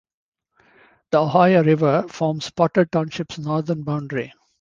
The Ohio River forms Potter Township's northern boundary.